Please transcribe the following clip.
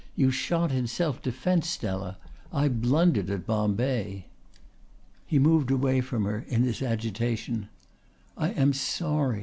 "You shot in self defence. Stella, I blundered at Bombay." He moved away from her in his agitation. "I am sorry.